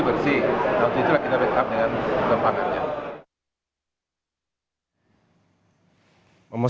terhitung mulai tanggal sepuluh maret dua ribu dua puluh empat